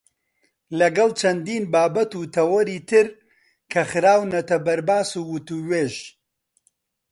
لەگەڵ چەندین بابەت و تەوەری تر کە خراونەتە بەرباس و وتووێژ.